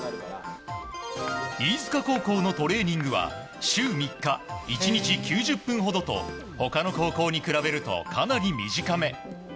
飯塚高校のトレーニングは週３日１日９０分ほどと他の高校に比べるとかなり短め。